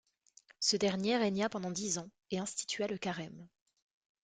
Ce dernier régna pendant dix ans, et institua le carême.